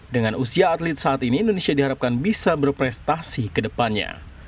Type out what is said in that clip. dengan usia atlet saat ini indonesia diharapkan bisa berprestasi ke depannya